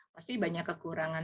pasti banyak kekurangan